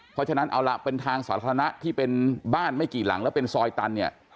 เพราะฉะนั้นเอาล่ะเป็นทางสาธารณะที่เป็นบ้านไม่กี่หลังแล้วเป็นซอยตันเนี่ย